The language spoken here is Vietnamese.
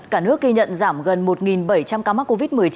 cả nước ghi nhận giảm gần một bảy trăm linh ca mắc covid một mươi chín